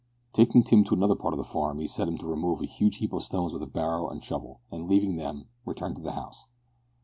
Taking Tim to another part of the farm, he set him to remove a huge heap of stones with a barrow and shovel, and, leaving them, returned to the house.